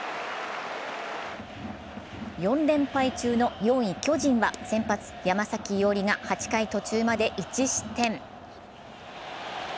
４連敗中の４位・巨人は先発・山崎伊織が８回途中まで１失点。